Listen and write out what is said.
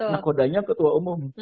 nakodanya ketua umum